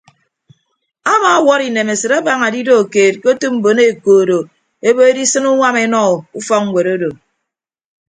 Amaawʌt inemesịt abaña adido keet ke otu mbon ekoodo ebo edisịn uñwam enọ ufọkñwet odo.